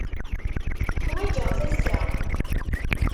Ḥwaǧeɣ-t assa.